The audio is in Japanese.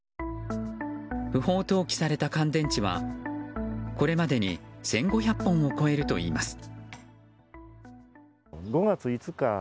不法投棄された乾電池はこれまでに１５００本を超えるといいます。